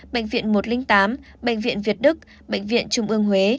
bệnh viện một trăm linh tám bệnh viện việt đức bệnh viện trung ương huế